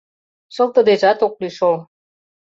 Шылтыдежат ок лий шол.